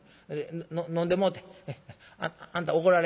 飲んでもうてあんた怒られ」。